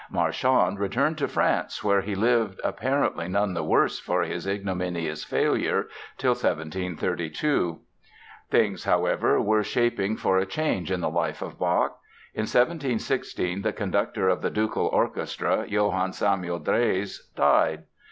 Marchand returned to France where he lived, apparently none the worse for his ignominious failure, till 1732. Things, however, were shaping for a change in the life of Bach. In 1716 the conductor of the ducal orchestra, Johann Samuel Drese, died.